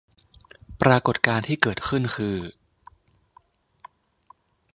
ปรากฎการณ์ที่เกิดขึ้นคือ